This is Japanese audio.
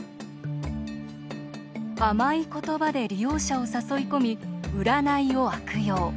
甘い言葉で利用者を誘い込み占いを悪用。